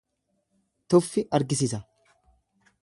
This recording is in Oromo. Tuffi argisisa.